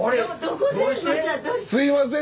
すいません